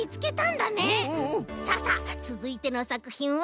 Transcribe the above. ささっつづいてのさくひんは？